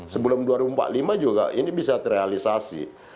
sebelum dua ribu empat puluh lima juga ini bisa terrealisasi